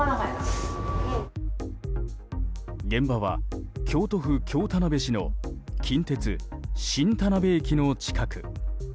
現場は、京都府京田辺市の近鉄新田辺駅の近く。